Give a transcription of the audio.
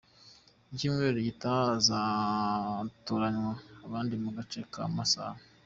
Icyumweru gitaha hazatoranywa abandi mu gace ka Masaka.